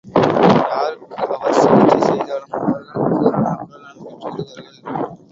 யாருக்கு அவர் சிகிச்சை செய்தாலும் அவர்கள் பூரண உடல் நலம் பெற்று விடுவார்கள்.